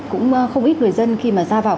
cũng không ít người dân khi mà ra vào